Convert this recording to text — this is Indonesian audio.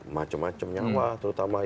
macem macem nyawa terutama